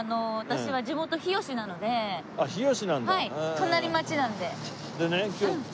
隣町なので。